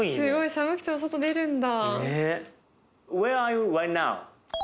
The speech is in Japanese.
寒くても外出るんだ。